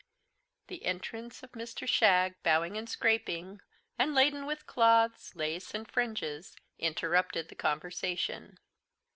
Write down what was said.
The entrance of Mr. Shagg, bowing and scraping, and laden with cloths, lace, and fringes, interrupted the conversation.